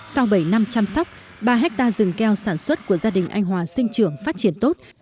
sau bảy năm chăm sóc ba hectare rừng keo sản xuất của gia đình anh hòa sinh trưởng phát triển tốt